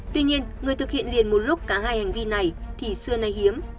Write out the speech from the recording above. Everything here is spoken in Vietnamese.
tuy nhiên người thực hiện liền một lúc cả hai hành vi này thì xưa nay hiếm